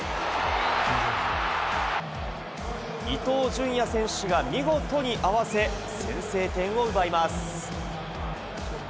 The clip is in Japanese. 伊東純也選手が見事に合わせ、先制点を奪います。